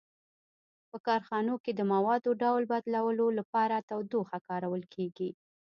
په کارخانو کې د موادو ډول بدلولو لپاره تودوخه کارول کیږي.